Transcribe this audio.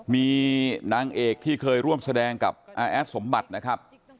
มีนางเอกที่เคยร่วมแสดงกับอาแอดสมบัตินะครับ